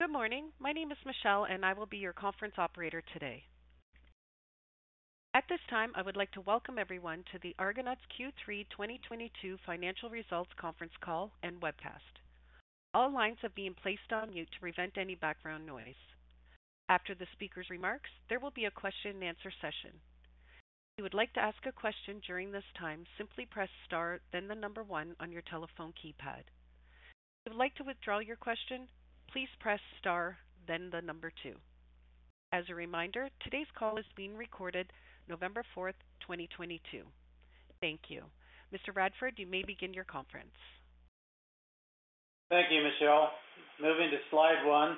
Good morning. My name is Michelle, and I will be your conference operator today. At this time, I would like to welcome everyone to the Argonaut's Q3 2022 Financial Results Conference Call and Webcast. All lines have been placed on mute to prevent any background noise. After the speaker's remarks, there will be a question-and-answer session. If you would like to ask a question during this time, simply press star then the number one on your telephone keypad. If you would like to withdraw your question, please press star then the number two. As a reminder, today's call is being recorded November 4th, 2022. Thank you. Mr. Radford, you may begin your conference. Thank you, Michelle. Moving to slide one,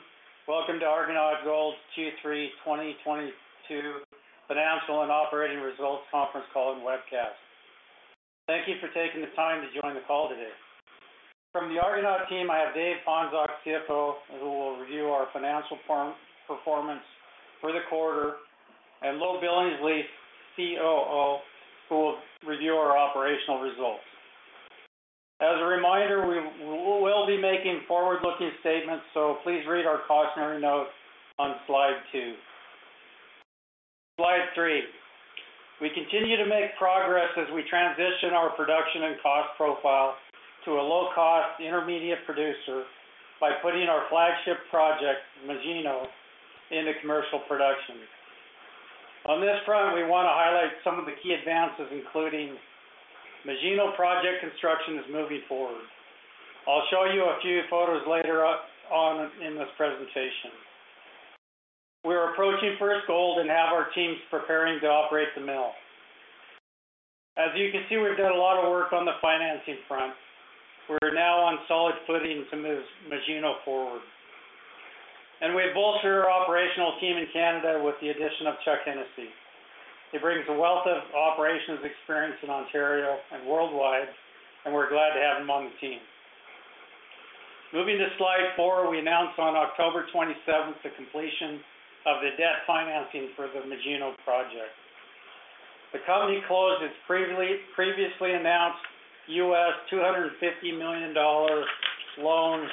welcome to Argonaut Gold's Q3 2022 Financial and Operating Results Conference Call and Webcast. Thank you for taking the time to join the call today. From the Argonaut team, I have Dave Ponczoch, CFO, who will review our financial performance for the quarter, and Lowe Billingsley, COO, who will review our operational results. As a reminder, we'll be making forward-looking statements, so please read our cautionary notes on slide two. Slide three. We continue to make progress as we transition our production and cost profile to a low-cost intermediate producer by putting our flagship project, Magino, into commercial production. On this front, we want to highlight some of the key advances, including Magino Project construction is moving forward. I'll show you a few photos later on in this presentation. We're approaching first gold and have our teams preparing to operate the mill. As you can see, we've done a lot of work on the financing front. We're now on solid footing to move Magino forward. We've bolstered our operational team in Canada with the addition of Chuck Hennessey. He brings a wealth of operations experience in Ontario and worldwide, and we're glad to have him on the team. Moving to slide four, we announced on October 27th the completion of the debt financing for the Magino Project. The company closed its previously-announced $200 million loan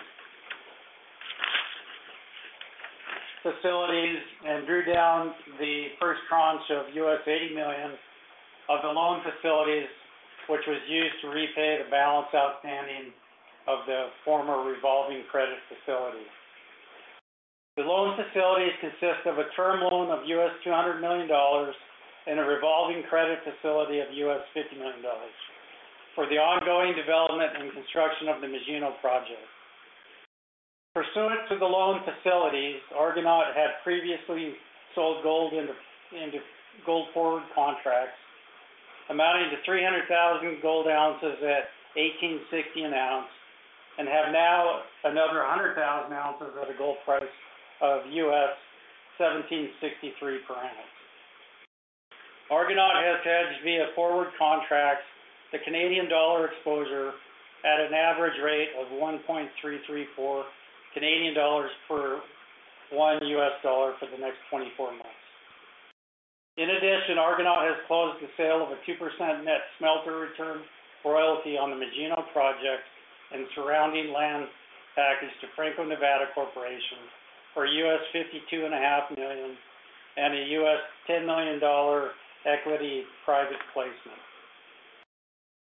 facilities and drew down the first tranche of $80 million of the loan facilities, which was used to repay the balance outstanding of the former revolving credit facility. The loan facilities consist of a term loan of $200 million and a revolving credit facility of $50 million for the ongoing development and construction of the Magino Project. Pursuant to the loan facilities, Argonaut had previously sold gold into gold-forward contracts amounting to 300,000 gold ounces at $1,860 an ounce, and have now another 100,000 ounces at a gold price of $1,763 per ounce. Argonaut has hedged via forward contracts the Canadian dollar exposure at an average rate of 1.334 Canadian dollars per $1 for the next 24 months. In addition, Argonaut has closed the sale of a 2% net smelter return royalty on the Magino Project and surrounding land package to Franco-Nevada Corporation for $52.5 million and a $10 million equity private placement.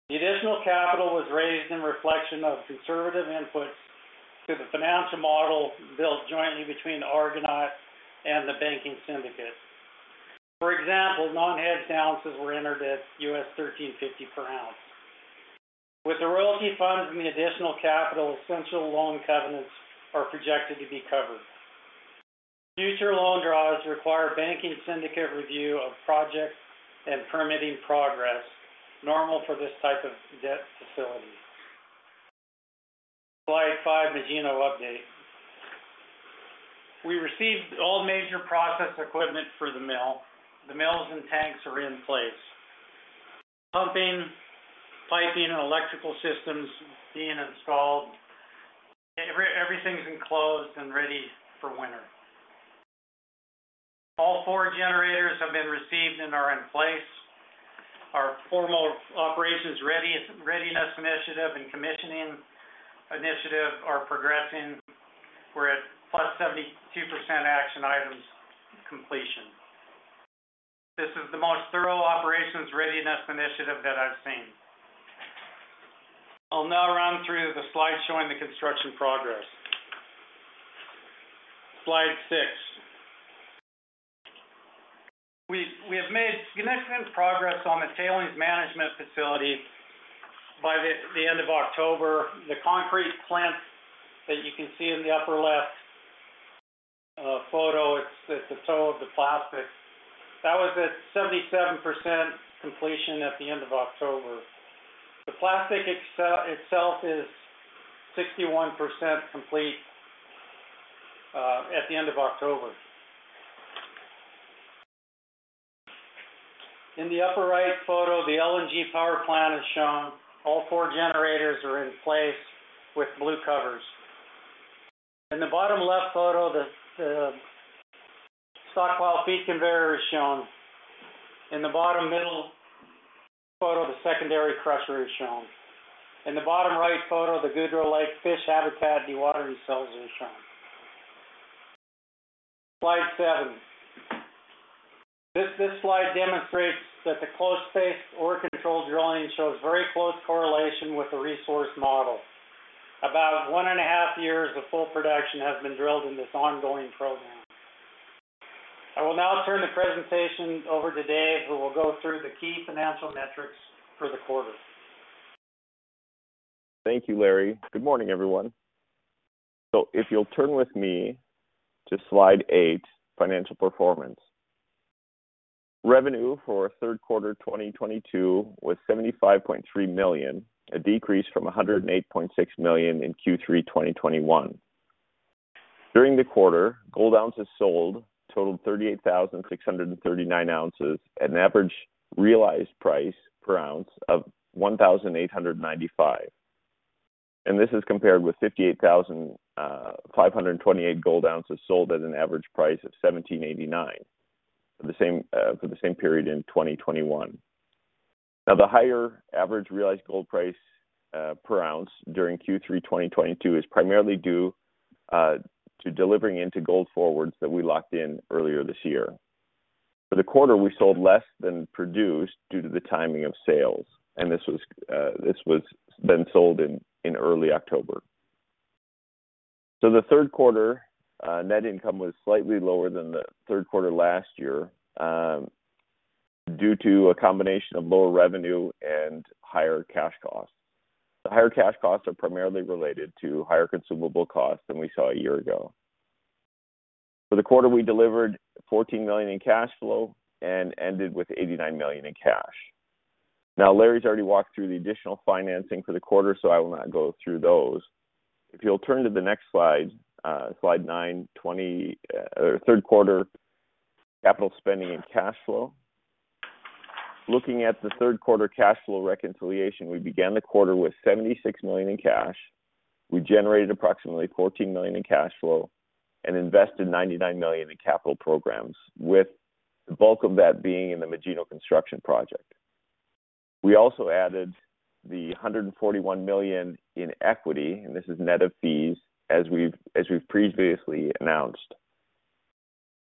The additional capital was raised in reflection of conservative inputs to the financial model built jointly between Argonaut and the banking syndicate. For example, non-hedged ounces were entered at $1,350 per ounce. With the royalty funds and the additional capital, essential loan covenants are projected to be covered. Future loan draws require banking syndicate review of project and permitting progress normal for this type of debt facility. Slide five, Magino update. We received all major process equipment for the mill. The mills and tanks are in place. Pumping, piping, and electrical systems being installed. Everything's enclosed and ready for winter. All four generators have been received and are in place. Our formal operations readiness initiative and commissioning initiative are progressing. We're at +72% action items completion. This is the most thorough operations readiness initiative that I've seen. I'll now run through the slides showing the construction progress. Slide six. We have made significant progress on the tailings management facility. By the end of October, the concrete plant that you can see in the upper-left photo, it's the toe of the plastic. That was at 77% completion at the end of October. The plastic itself is 61% complete at the end of October. In the upper-right photo, the LNG power plant is shown. All four generators are in place with blue covers. In the bottom-left photo, the stockpile feed conveyor is shown. In the bottom-middle photo, the secondary crusher is shown. In the bottom-right photo, the Goudreau Lake fish habitat dewatering cells are shown. Slide seven. This slide demonstrates that the close-spaced ore control drilling shows very close correlation with the resource model. About one and a half years of full production has been drilled in this ongoing program. I will now turn the presentation over to Dave, who will go through the key financial metrics for the quarter. Thank you, Larry. Good morning, everyone. If you'll turn with me to slide eight, Financial Performance. Revenue for third quarter 2022 was $75.3 million, a decrease from $108.6 million in Q3 2021. During the quarter, gold ounces sold totaled 38,639 ounces at an average realized price per ounce of $1,895. This is compared with 58,528 gold ounces sold at an average price of $1,789 for the same period in 2021. The higher average realized gold price per ounce during Q3 2022 is primarily due to delivering into gold forwards that we locked in earlier this year. For the quarter, we sold less than produced due to the timing of sales, and this was then sold in early-October. The third quarter net income was slightly lower than the third quarter last year due to a combination of lower revenue and higher cash costs. The higher cash costs are primarily related to higher consumable costs than we saw a year ago. For the quarter, we delivered $14 million in cash flow and ended with $89 million in cash. Now, Larry's already walked through the additional financing for the quarter, so I will not go through those. If you'll turn to the next slide nine, 20, or third quarter capital spending and cash flow. Looking at the third quarter cash flow reconciliation, we began the quarter with $76 million in cash. We generated approximately $14 million in cash flow and invested $99 million in capital programs, with the bulk of that being in the Magino construction project. We also added the $141 million in equity, and this is net of fees, as we've previously announced.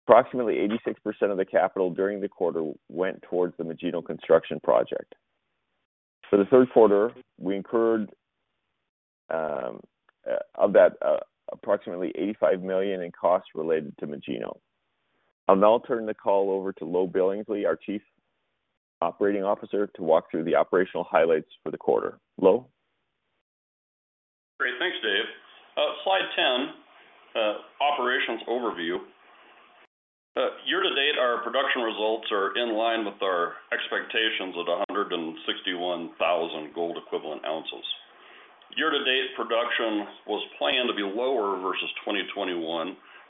Approximately 86% of the capital during the quarter went towards the Magino construction project. For the third quarter, we incurred approximately $85 million in costs related to Magino. I'll now turn the call over to Lowe Billingsley, our Chief Operating Officer, to walk through the operational highlights for the quarter. Lowe? Great. Thanks, Dave. Slide 10, Operations Overview. Year-to-date, our production results are in line with our expectations at 161,000 gold equivalent ounces. Year-to-date production was planned to be lower versus 2021,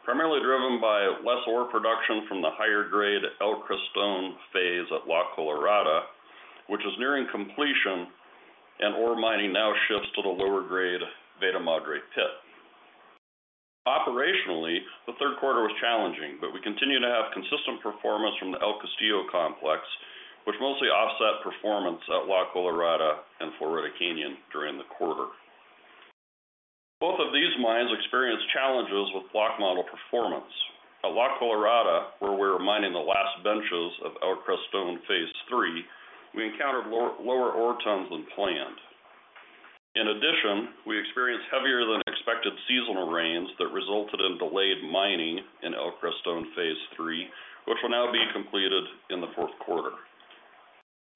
primarily driven by less ore production from the higher-grade El Crestón phase at La Colorada, which is nearing completion, and ore mining now shifts to the lower-grade Veta Madre pit. Operationally, the third quarter was challenging, but we continue to have consistent performance from the El Castillo complex, which mostly offset performance at La Colorada and Florida Canyon during the quarter. Both of these mines experienced challenges with block model performance. At La Colorada, where we're mining the last benches of El Crestón phase III, we encountered lower ore tons than planned. In addition, we experienced heavier than expected seasonal rains that resulted in delayed mining in El Crestón phase III, which will now be completed in the fourth quarter.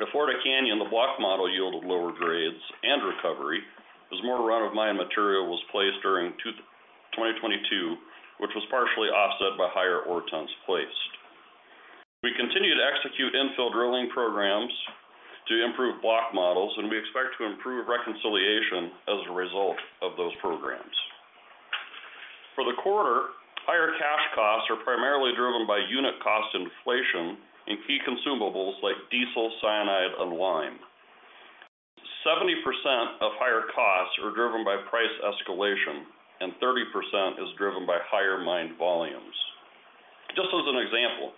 At Florida Canyon, the block model yielded lower grades and recovery as more run of mine material was placed during 2022, which was partially offset by higher ore tons placed. We continue to execute infill drilling programs to improve block models, and we expect to improve reconciliation as a result of those programs. For the quarter, higher cash costs are primarily driven by unit cost inflation in key consumables like diesel, cyanide and lime. 70% of higher costs are driven by price escalation, and 30% is driven by higher mine volumes. Just as an example,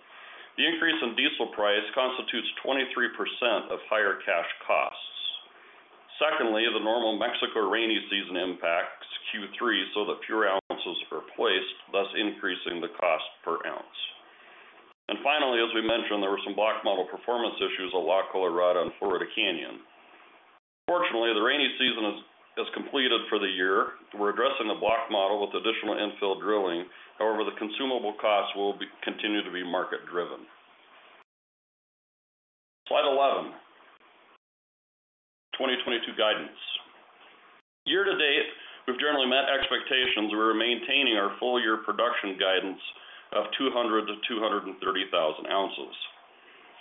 the increase in diesel price constitutes 23% of higher cash costs. Secondly, the normal Mexico rainy season impacts Q3 so that fewer ounces are placed, thus increasing the cost per ounce. Finally, as we mentioned, there were some block model performance issues at La Colorada and Florida Canyon. Fortunately, the rainy season is completed for the year. We're addressing the block model with additional infill drilling. However, the consumable costs will be, continue to be market-driven. Slide 11. 2022 guidance. Year-to-date, we've generally met expectations. We're maintaining our full-year production guidance of 200,000 ounces-230,000 ounces.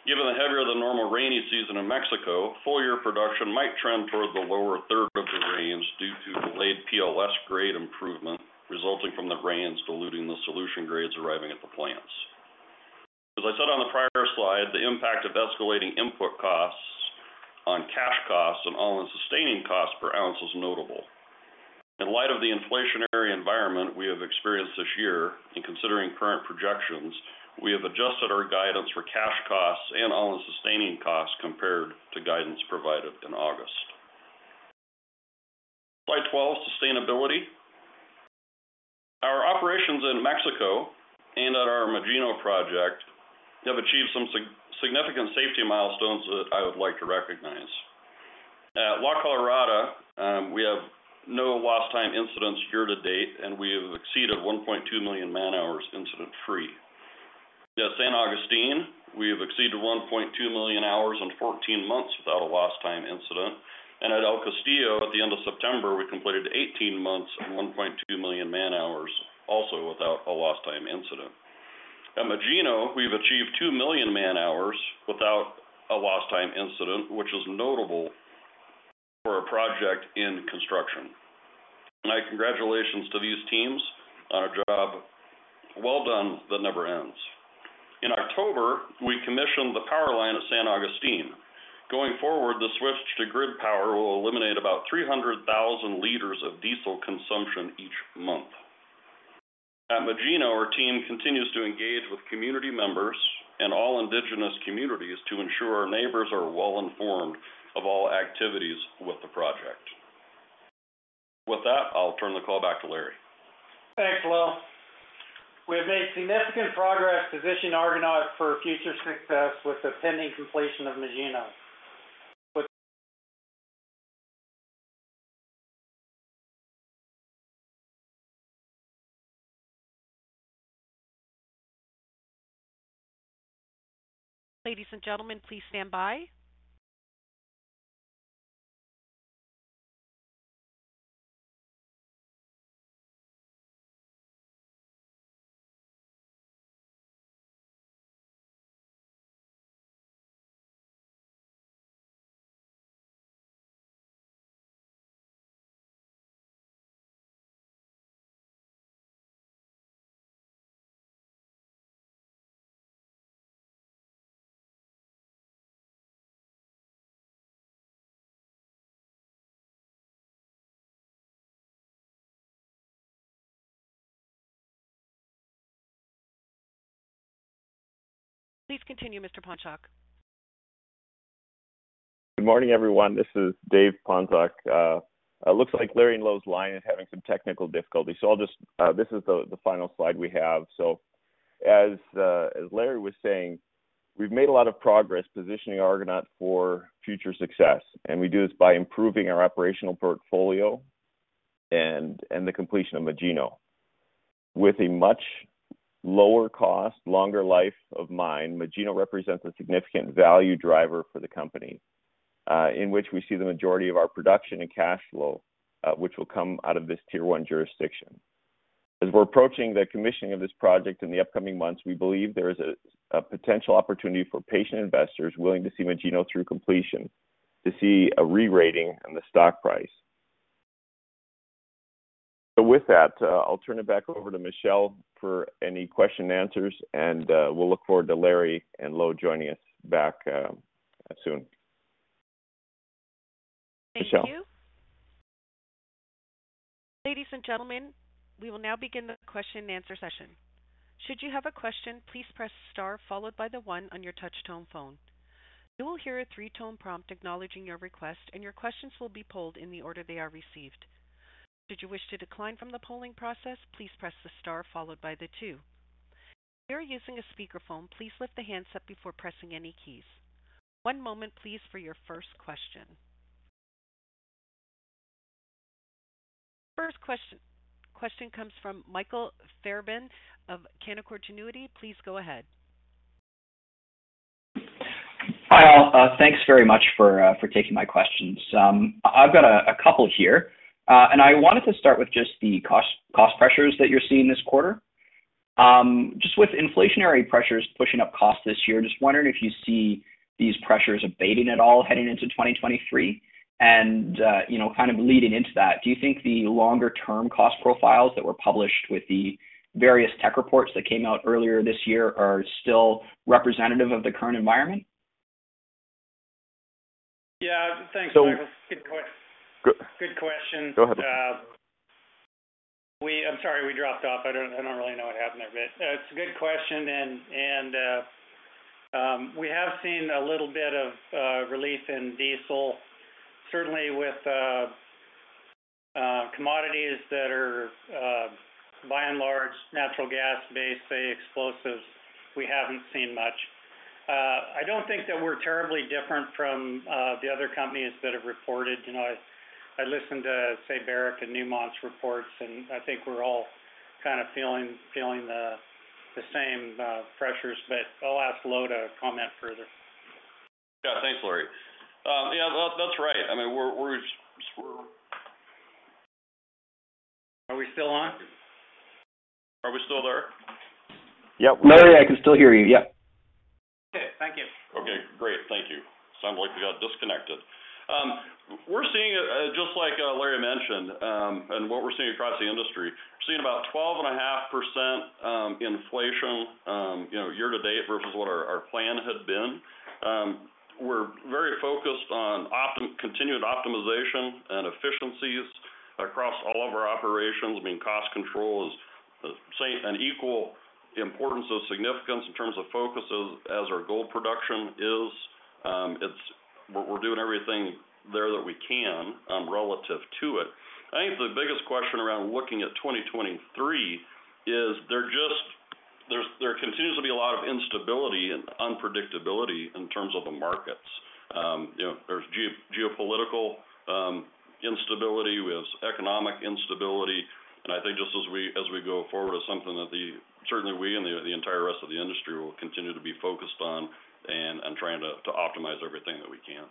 Given the heavier-than-normal rainy season in Mexico, full year production might trend towards the lower-third of the range due to delayed PLS-grade improvement resulting from the rains diluting the solution grades arriving at the plants. As I said on the prior slide, the impact of escalating input costs on cash costs and all-in sustaining cost per ounce is notable. In light of the inflationary environment we have experienced this year and considering current projections, we have adjusted our guidance for cash costs and all-in sustaining costs compared to guidance provided in August. Slide 12, Sustainability. Our operations in Mexico and at our Magino Project have achieved some significant safety milestones that I would like to recognize. At La Colorada, we have no lost time incidents year-to-date, and we have exceeded 1.2 million man-hours incident-free. At San Agustín, we have exceeded 1.2 million hours and 14 months without a lost time incident. At El Castillo, at the end of September, we completed 18 months at 1.2 million man-hours, also without a lost time incident. At Magino, we've achieved 2 million man-hours without a lost time incident, which is notable for a project in construction. My congratulations to these teams on a job well done that never ends. In October, we commissioned the power line at San Agustín. Going forward, the switch to grid power will eliminate about 300,000 L of diesel consumption each month. At Magino, our team continues to engage with community members in all indigenous communities to ensure our neighbors are well informed of all activities with the project. With that, I'll turn the call back to Larry. Thanks, Lowe. We have made significant progress positioning Argonaut for future success with the pending completion of Magino. Ladies and gentlemen, please stand by. Please continue, Mr. Ponczoch. Good morning, everyone. This is Dave Ponczoch. It looks like Larry and Lowe's line is having some technical difficulty. I'll just. This is the final slide we have. As Larry was saying, we've made a lot of progress positioning Argonaut for future success, and we do this by improving our operational portfolio and the completion of Magino. With a much lower cost, longer life of mine, Magino represents a significant value driver for the company, in which we see the majority of our production and cash flow, which will come out of this tier one jurisdiction. As we're approaching the commissioning of this project in the upcoming months, we believe there is a potential opportunity for patient investors willing to see Magino through completion to see a re-rating on the stock price. With that, I'll turn it back over to Michelle for any question and answers, and we'll look forward to Larry and Lowe joining us back soon. Michelle. Thank you. Ladies and gentlemen, we will now begin the question-and-answer session. Should you have a question, please press star followed by the one on your touch tone phone. You will hear a three-tone prompt acknowledging your request, and your questions will be polled in the order they are received. Should you wish to decline from the polling process, please press the star followed by the two. If you are using a speakerphone, please lift the handset before pressing any keys. One moment please for your first question. First question comes from Michael Fairbairn of Canaccord Genuity. Please go ahead. Hi, all. Thanks very much for taking my questions. I've got a couple here. I wanted to start with just the cost pressures that you're seeing this quarter. Just with inflationary pressures pushing up costs this year, just wondering if you see these pressures abating at all heading into 2023. You know, kind of leading into that, do you think the longer-term cost profiles that were published with the various tech reports that came out earlier this year are still representative of the current environment? Yeah. Thanks, Michael. Good question. Go ahead. I'm sorry, we dropped off. I don't really know what happened there, but it's a good question. We have seen a little bit of relief in diesel. Certainly with commodities that are by and large natural gas-based, say explosives, we haven't seen much. I don't think that we're terribly different from the other companies that have reported. You know, I listened to, say, Barrick and Newmont's reports, and I think we're all kind of feeling the same pressures. I'll ask Lowe to comment further. Yeah. Thanks, Larry. Yeah, that's right. I mean, we're just. Are we still on? Are we still there? Yep. Lawrence, I can still hear you. Yep. Okay. Thank you. Okay, great. Thank you. Sounds like we got disconnected. We're seeing, just like Larry mentioned, our plan had been, we're very focused on continued optimization and efficiencies across all of our operations. I mean, cost control is the same and equal importance and significance in terms of focus as our gold production is. We're doing everything there that we can, relative to it. I think the biggest question around looking at 2023 is, there just continues to be a lot of instability and unpredictability in terms of the markets. You know, there's geopolitical instability with economic instability. I think just as we go forward is something that the. Certainly we and the entire rest of the industry will continue to be focused on and trying to optimize everything that we can.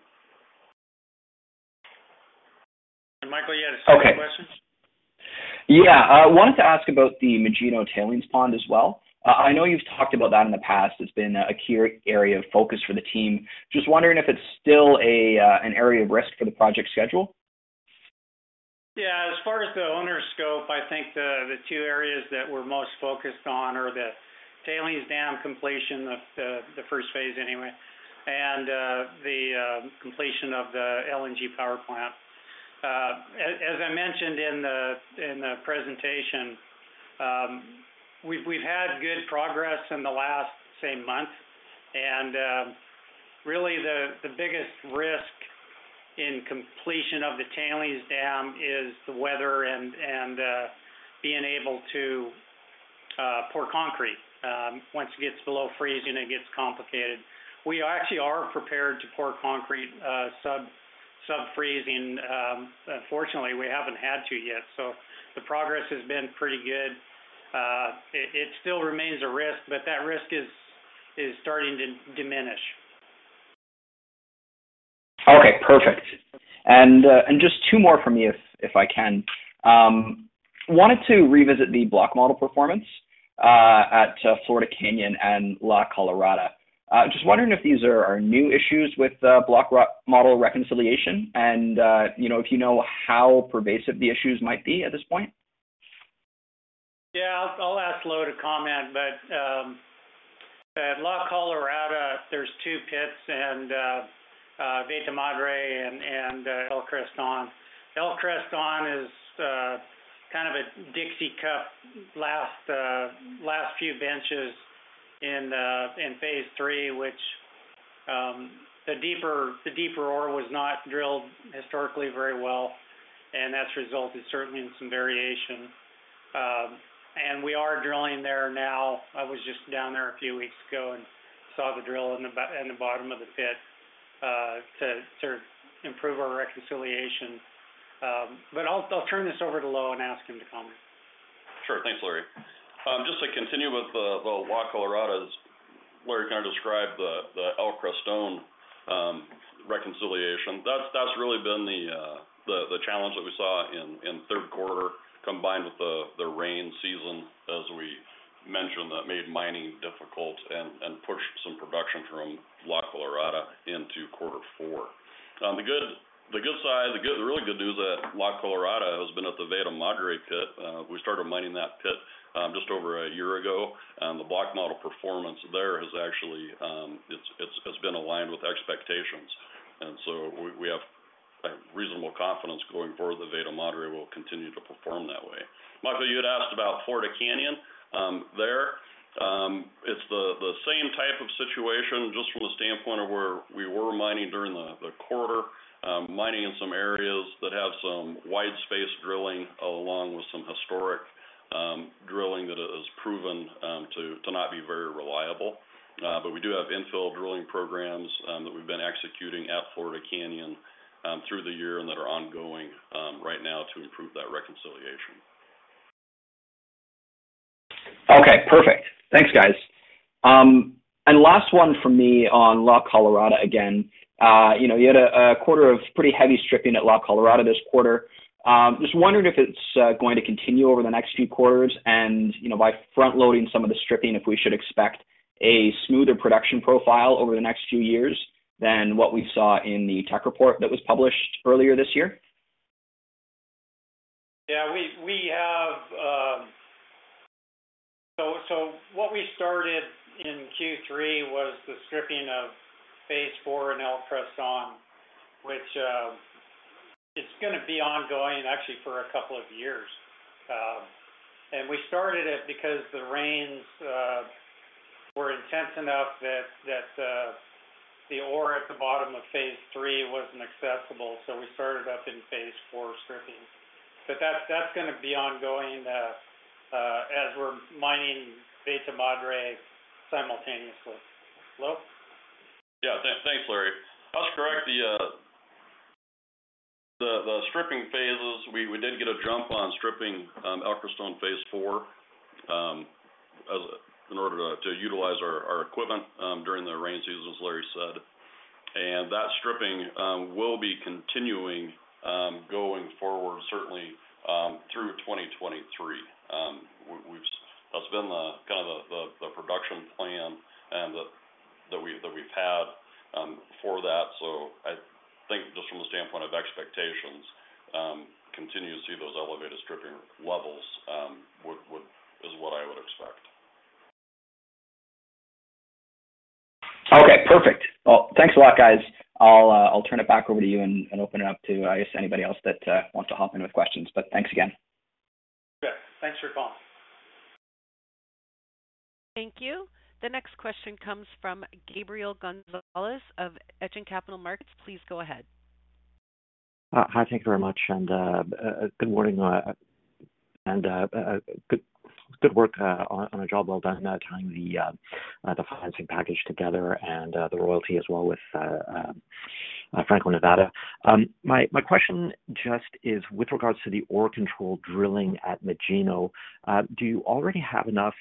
Michael, you had a second question? Yeah. I wanted to ask about the Magino tailings pond as well. I know you've talked about that in the past. It's been a key area of focus for the team. Just wondering if it's still an area of risk for the project schedule? Yeah. As far as the owner's scope, I think the two areas that we're most focused on are the tailings dam completion of the first phase anyway, and the completion of the LNG power plant. As I mentioned in the presentation, we've had good progress in the last, say, month. Really the biggest risk in completion of the tailings dam is the weather and being able to pour concrete. Once it gets below freezing, it gets complicated. We actually are prepared to pour concrete subfreezing. Fortunately, we haven't had to yet. The progress has been pretty good. It still remains a risk, but that risk is starting to diminish. Okay, perfect. Just two more from me if I can. Wanted to revisit the block model performance at Florida Canyon and La Colorada. Just wondering if these are new issues with block model reconciliation and, you know, if you know how pervasive the issues might be at this point? Yeah. I'll ask Lowe to comment. At La Colorada, there's two pits and Veta Madre and El Crestón. El Crestón is kind of a Dixie cup last few benches in phase three, which the deeper ore was not drilled historically very well, and that's resulted certainly in some variation. We are drilling there now. I was just down there a few weeks ago and saw the drill in the bottom of the pit to sort of improve our reconciliation. I'll turn this over to Lowe and ask him to comment. Sure. Thanks, Larry. Just to continue with the La Colorada, as Larry kind of described the El Crestón reconciliation. That's really been the challenge that we saw in third quarter, combined with the rain season, as we mentioned, that made mining difficult and pushed some production from La Colorada into quarter four. The good side, the really good news at La Colorada has been at the Veta Madre pit. We started mining that pit just over a year ago. The block model performance there has actually been aligned with expectations. We have like reasonable confidence going forward that Veta Madre will continue to perform that way. Michael, you had asked about Florida Canyon. It's the same type of situation just from the standpoint of where we were mining during the quarter. Mining in some areas that have some wide-spaced drilling, along with some historic drilling that has proven to not be very reliable. We do have infill drilling programs that we've been executing at Florida Canyon through the year and that are ongoing right now to improve that reconciliation. Okay, perfect. Thanks, guys. Last one from me on La Colorada again. You know, you had a quarter of pretty heavy stripping at La Colorada this quarter. Just wondering if it's going to continue over the next few quarters and, you know, by front loading some of the stripping, if we should expect a smoother production profile over the next few years than what we saw in the tech report that was published earlier this year? What we started in Q3 was the stripping of phase IV in El Crestón, which it's gonna be ongoing actually for a couple of years. We started it because the rains were intense enough that the ore at the bottom of phase III wasn't accessible. We started up in phase IV stripping. That's gonna be ongoing as we're mining Veta Madre simultaneously. Lowe? Yeah. Thanks, Larry. That's correct. The stripping phases, we did get a jump on stripping El Crestón phase IV, as in order to utilize our equipment during the rainy season, as Larry said. That stripping will be continuing going forward certainly through 2023. That's been the kind of production plan that we've had. Before that. I think just from the standpoint of expectations, continue to see those elevated stripping levels is what I would expect. Okay, perfect. Well, thanks a lot, guys. I'll turn it back over to you and open it up to, I guess, anybody else that wants to hop in with questions, but thanks again. Sure. Thanks for calling. Thank you. The next question comes from Gabriel Gonzalez of Echelon Capital Markets. Please go ahead. Hi, thank you very much, and good morning, and good work on a job well done tying the financing package together and the royalty as well with Franco-Nevada. My question just is with regards to the ore control drilling at Magino. Do you already have enough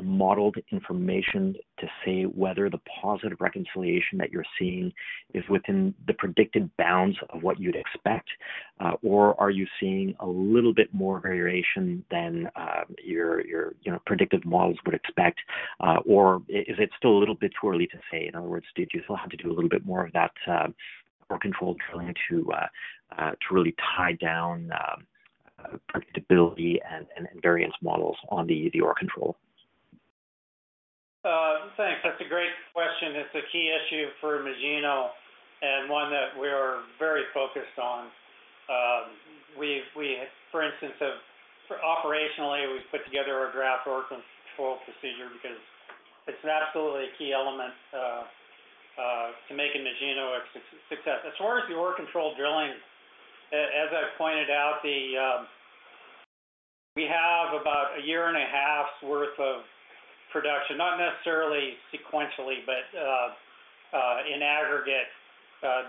modeled information to say whether the positive reconciliation that you're seeing is within the predicted bounds of what you'd expect? Or are you seeing a little bit more variation than your you know predictive models would expect? Or is it still a little bit too early to say? In other words, did you still have to do a little bit more of that, ore control drilling to really tie down predictability and variance models on the ore control? Thanks. That's a great question. It's a key issue for Magino and one that we're very focused on. For instance, operationally, we've put together a draft ore control procedure because it's absolutely a key element to making Magino a success. As far as the ore control drilling, as I pointed out, we have about a year and a half's worth of production, not necessarily sequentially, but in aggregate,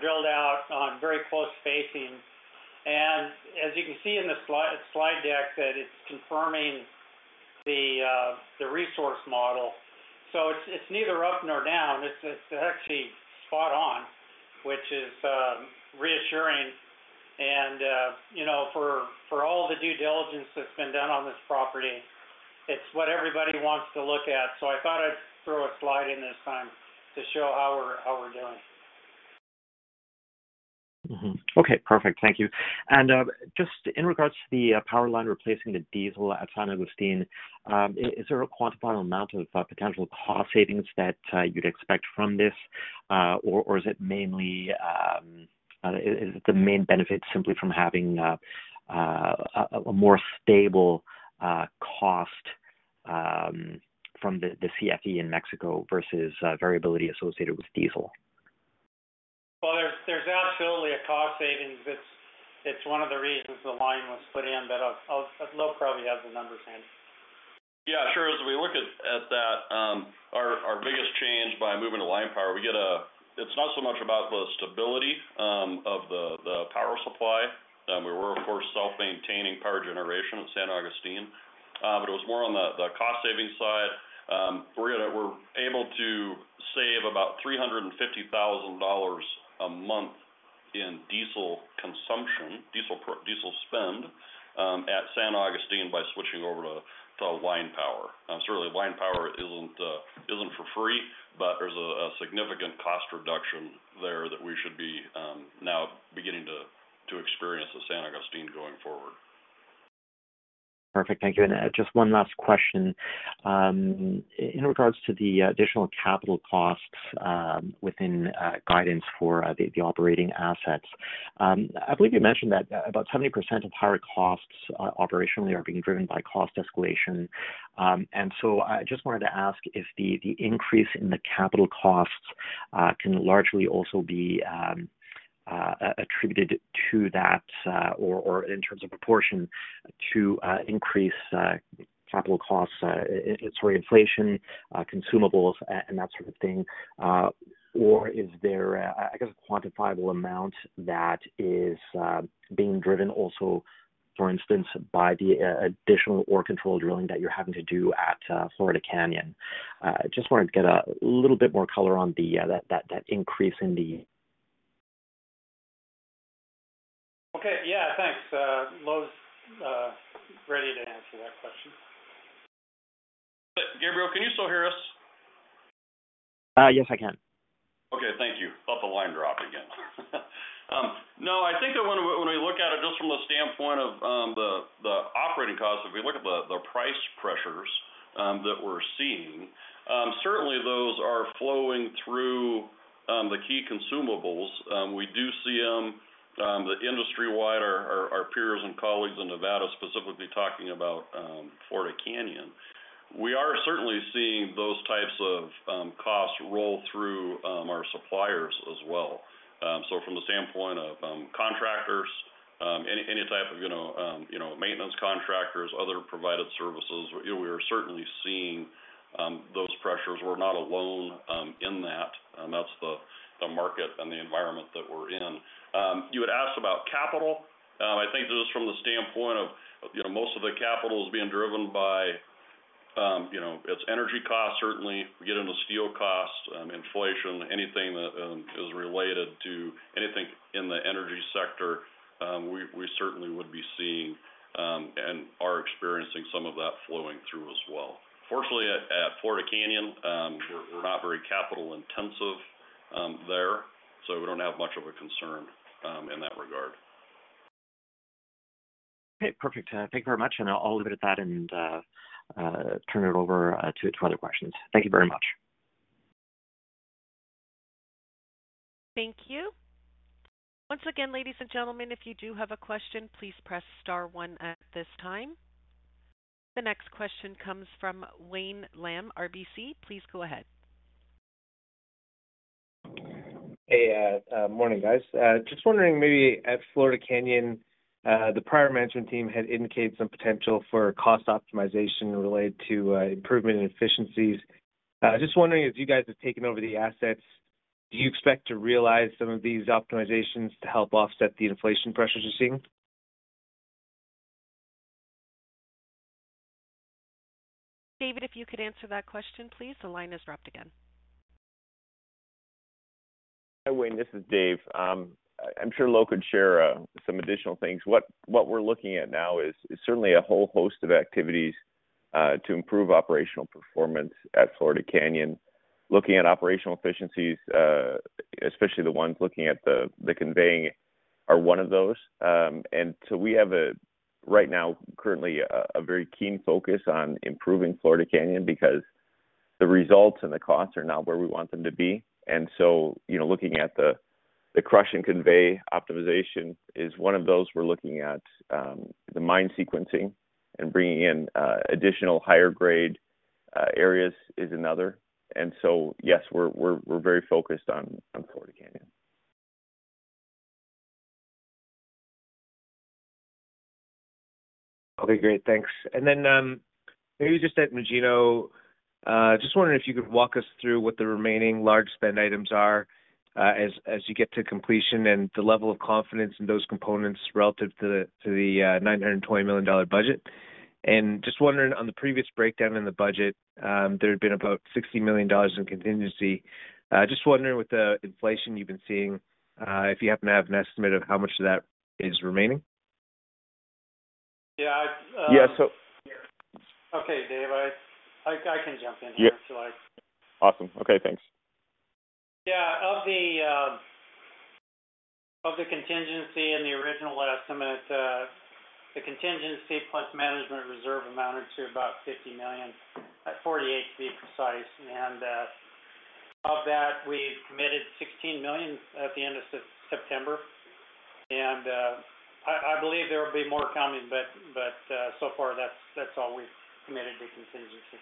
drilled out on very close spacing. As you can see in the slide deck, it's confirming the resource model. It's neither up nor down. It's actually spot on, which is reassuring and you know, for all the due diligence that's been done on this property, it's what everybody wants to look at. I thought I'd throw a slide in this time to show how we're doing. Okay, perfect. Thank you. Just in regards to the power line replacing the diesel at San Agustín, is there a quantifiable amount of potential cost savings that you'd expect from this? Or is it mainly the main benefit simply from having a more stable cost from the CFE in Mexico versus variability associated with diesel? Well, there's absolutely a cost savings. It's one of the reasons the line was put in. I'll. Lowe probably has the numbers handy. Yeah, sure. As we look at that, our biggest change by moving to line power, we get a... It's not so much about the stability of the power supply. We were of course self-maintaining power generation at San Agustín. But it was more on the cost saving side. We're able to save about $350,000 a month in diesel consumption, diesel spend, at San Agustín by switching over to line power. Certainly line power isn't for free, but there's a significant cost reduction there that we should be now beginning to experience at San Agustín going forward. Perfect. Thank you. Just one last question. In regards to the additional capital costs within guidance for the operating assets. I believe you mentioned that about 70% of higher costs operationally are being driven by cost escalation. I just wanted to ask if the increase in the capital costs can largely also be attributed to that or in terms of proportion to increase capital costs it's for inflation consumables and that sort of thing. Or is there a, I guess, a quantifiable amount that is being driven also, for instance, by the additional ore control drilling that you're having to do at Florida Canyon? Just wanted to get a little bit more color on that increase in the... Okay. Yeah, thanks. Lowe's ready to answer that question. Gabriel, can you still hear us? Yes, I can. Okay. Thank you. Thought the line dropped again. No, I think that when we look at it just from the standpoint of the operating costs, if we look at the price pressures that we're seeing, certainly those are flowing through the key consumables. We do see the industry-wide, our peers and colleagues in Nevada specifically talking about Florida Canyon. We are certainly seeing those types of costs roll through our suppliers as well. From the standpoint of contractors, any type of, you know, you know, maintenance contractors, other provided services, you know, we are certainly seeing those pressures. We're not alone in that. That's the market and the environment that we're in. You had asked about capital. I think just from the standpoint of, you know, most of the capital is being driven by, you know, it's energy costs, certainly. We get into steel costs, inflation, anything that is related to the energy sector, we certainly would be seeing and are experiencing some of that flowing through as well. Fortunately, at Florida Canyon, we're not very capital-intensive there, so we don't have much of a concern in that regard. Okay, perfect. Thank you very much, and I'll leave it at that and turn it over to other questions. Thank you very much. Thank you. Once again, ladies and gentlemen, if you do have a question, please press star one at this time. The next question comes from Wayne Lam, RBC. Please go ahead. Hey, morning, guys. Just wondering, maybe at Florida Canyon, the prior management team had indicated some potential for cost optimization related to, improvement in efficiencies. Just wondering, as you guys have taken over the assets, do you expect to realize some of these optimizations to help offset the inflation pressures you're seeing? David, if you could answer that question, please. The line has dropped again. Hi, Wayne, this is Dave. I'm sure Lowe can share some additional things. What we're looking at now is certainly a whole host of activities to improve operational performance at Florida Canyon. Looking at operational efficiencies, especially the ones looking at the conveying are one of those. We have right now, currently a very keen focus on improving Florida Canyon because the results and the costs are not where we want them to be. You know, looking at the crush and convey optimization is one of those we're looking at. The mine sequencing and bringing in additional higher grade areas is another. Yes, we're very focused on Florida Canyon. Okay, great. Thanks. Maybe just at Magino, just wondering if you could walk us through what the remaining large spend items are, as you get to completion and the level of confidence in those components relative to the $920 million budget. Just wondering on the previous breakdown in the budget, there had been about $60 million in contingency. Just wondering with the inflation you've been seeing, if you happen to have an estimate of how much of that is remaining. Yeah. I'd... Yeah, so... Okay, Dave, I can jump in here if you like. Awesome. Okay, thanks. Yeah. Of the contingency in the original estimate, the contingency plus management reserve amounted to about $50 million, $48 to be precise. Of that, we committed $16 million at the end of September. I believe there will be more coming, but so far that's all we've committed to contingency.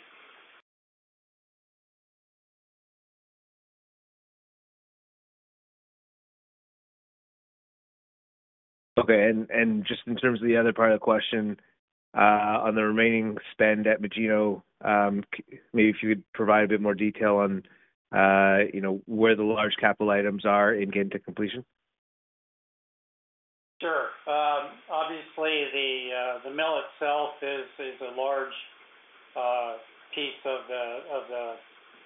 Okay. Just in terms of the other part of the question, on the remaining spend at Magino, maybe if you could provide a bit more detail on, you know, where the large capital items are in getting to completion? Sure. Obviously the mill itself is a large piece of the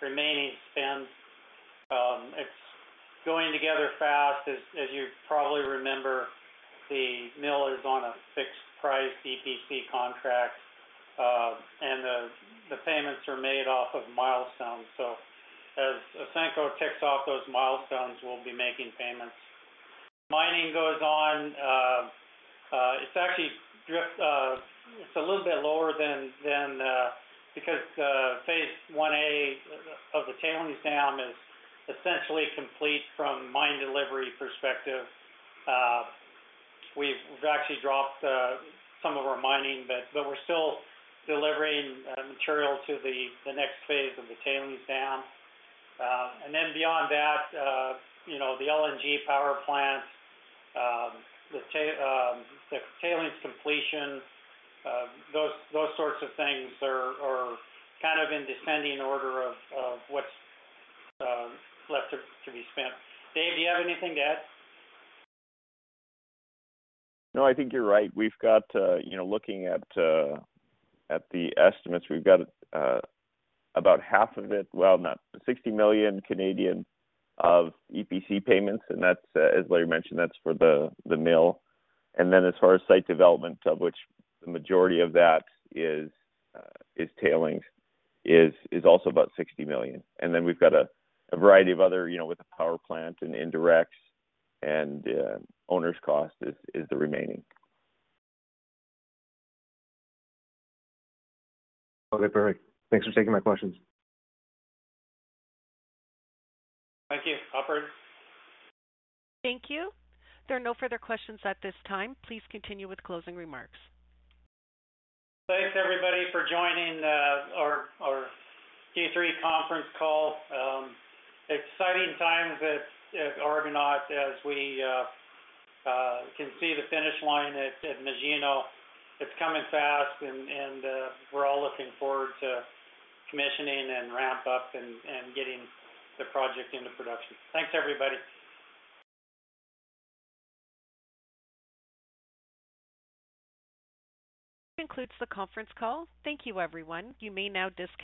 remaining spend. It's going together fast. As you probably remember, the mill is on a fixed-price EPC contract. The payments are made off of milestones. As Ausenco ticks off those milestones, we'll be making payments. Mining goes on, it's actually a little bit lower than because phase IA of the tailings dam is essentially complete from mine delivery perspective. We've actually dropped some of our mining but we're still delivering material to the next phase of the tailings dam. Beyond that, you know, the LNG power plant, the tailings completion, those sorts of things are kind of in descending order of what's left to be spent. Dave, do you have anything to add? No, I think you're right. You know, looking at the estimates, we've got 60 million of EPC payments, and that's, as Larry mentioned, for the mill. As far as site development, of which the majority of that is tailings, is also about 60 million. We've got a variety of other, you know, with the power plant and indirects and owner's cost is the remaining. Okay, perfect. Thanks for taking my questions. Thank you. Operator. Thank you. There are no further questions at this time. Please continue with closing remarks. Thanks everybody for joining our Q3 conference call. Exciting times at Argonaut as we can see the finish line at Magino. It's coming fast and we're all looking forward to commissioning and ramp up and getting the project into production. Thanks, everybody. This concludes the conference call. Thank you, everyone. You may now disconnect.